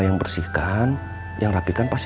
yang bersihkan yang rapikan pasti